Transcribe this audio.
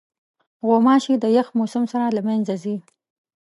غوماشې د یخ موسم سره له منځه ځي.